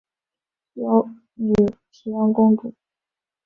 有女沘阳公主。